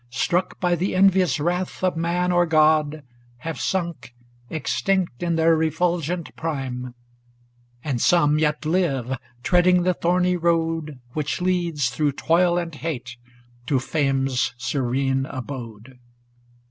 Struck by the envious wrath of man or God, Have sunk, extinct in their refulgent prime ; And some yet live, treading the thorny road, W^hich leads, through toil and hate, to Fame's serene abode.